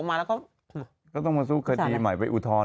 ออกมาแล้วก็เราก็ต้องมาสู้คดีใหม่ไปอุทธอน